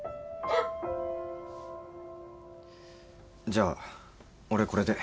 じゃあ俺これで。